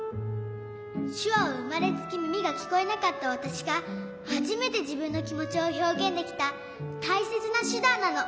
しゅわはうまれつきみみがきこえなかったわたしがはじめてじぶんのきもちをひょうげんできたたいせつなしゅだんなの。